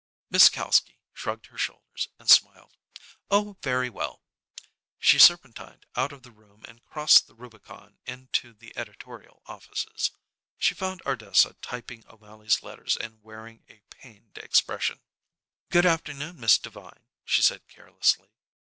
Miss Kalski shrugged her shoulders and smiled. "Oh, very well." She serpentined out of the room and crossed the Rubicon into the editorial offices. She found Ardessa typing O'Mally's letters and wearing a pained expression. "Good afternoon, Miss Devine," she said carelessly.